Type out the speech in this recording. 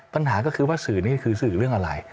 ปัญหาก็คือว่าสื่อนี่คือสื่อเรื่องอะไร